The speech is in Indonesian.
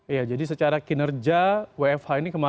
iya jadi secara kinerja wfh ini kemarin hasilnya malah lebih membuat